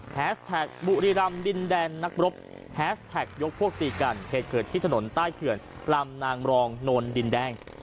แท็กบุรีรำดินแดนนักรบแฮสแท็กยกพวกตีกันเหตุเกิดที่ถนนใต้เขื่อนลำนางรองโนนดินแดง